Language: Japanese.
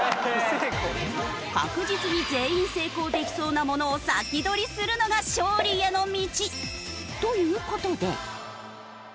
確実に全員成功できそうなものを先取りするのが勝利への道。という事で。